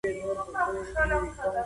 زه اوږده وخت د کور کتابونه ترتيب کوم وم.